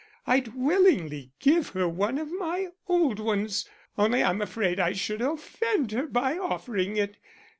I'd willingly give her one of my old ones, only I'm afraid I should offend her by offering it.